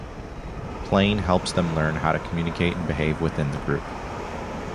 Playing helps them learn how to communicate and behave within the group.